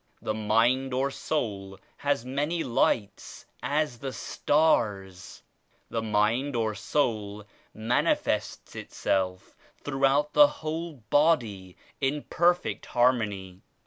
The mind or soul has many lights, as the stars. The mind or soul manifests itself throughout the whole body in perfect harmony.